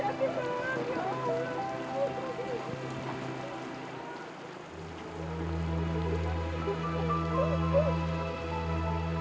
ya tuhan tolong siapkan aku